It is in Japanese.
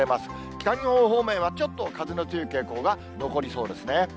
北日本方面はちょっと風の強い傾向が残りそうですね。